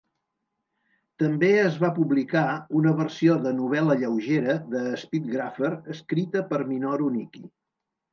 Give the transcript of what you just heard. També es va publicar una versió de novel·la lleugera de "Speed Grapher" escrita per Minoru Niki.